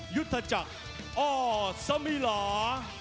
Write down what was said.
ยุทธจักรอ้อสมิลา